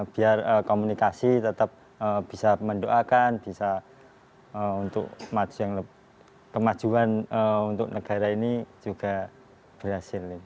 biar komunikasi tetap bisa mendoakan bisa untuk kemajuan untuk negara ini juga berhasil